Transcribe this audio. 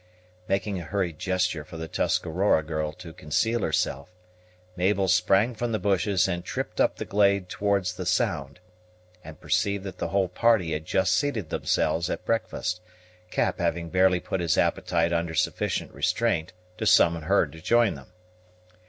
Making a hurried gesture for the Tuscarora girl to conceal herself, Mabel sprang from the bushes and tripped up the glade towards the sound, and perceived that the whole party had just seated themselves at breakfast; Cap having barely put his appetite under sufficient restraint to summon her to join them.